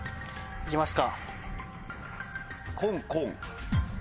行きますか？